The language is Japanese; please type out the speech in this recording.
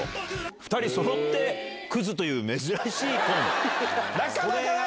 ２人そろってクズという珍しいコなかなかない。